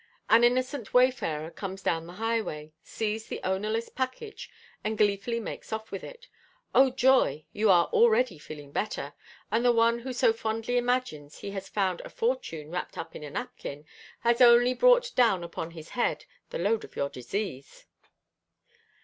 An innocent wayfarer comes down the highway, sees the ownerless package and gleefully makes off with it. Oh joy! you are already feeling better, and the one who so fondly imagines he has found a fortune wrapped up in a napkin, has only brought down upon his head the load of your disease!